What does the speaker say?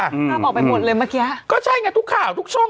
ภาพออกไปหมดเลยเมื่อกี้ก็ใช่ไงทุกข่าวทุกช่อง